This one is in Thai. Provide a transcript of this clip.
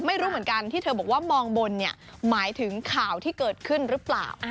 ไม่รู้เหมือนกันที่เธอบอกว่ามองบนเนี่ยหมายถึงข่าวที่เกิดขึ้นหรือเปล่า